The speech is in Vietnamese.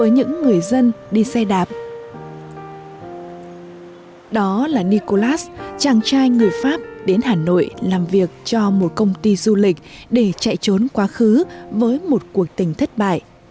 đó nicolas chàng trai người pháp đến hà nội làm việc cho một công ty du lịch để chạy trốn quá khứ với một cuộc tình thất bại